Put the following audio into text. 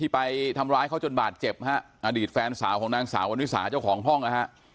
ไปทำร้ายเขาจนบาดเจ็บฮะอดีตแฟนสาวของนางสาววันนิสาเจ้าของห้องนะฮะ